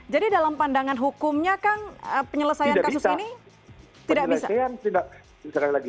jadi dalam pandangan hukumnya kan penyelesaian kasus ini tidak bisa